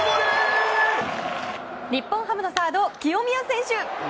日本ハムのサード、清宮選手！